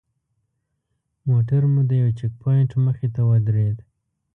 موټر مو د یوه چیک پواینټ مخې ته ودرېد.